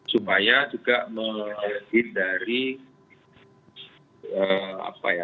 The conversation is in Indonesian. supaya juga mengerdit dari apa ya